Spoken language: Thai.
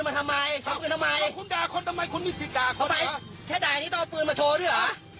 หรือขอให้ติดตามเขาได้หรือ